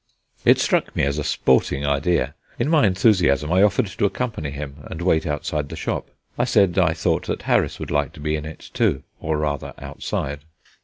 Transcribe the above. It struck me as a sporting idea. In my enthusiasm I offered to accompany him, and wait outside the shop. I said I thought that Harris would like to be in it, too or rather outside.